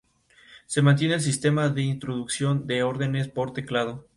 Por esos hechos, está en posesión de la Medalla de Sufrimientos por la Patria.